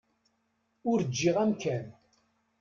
Ur ǧǧiɣ amkan.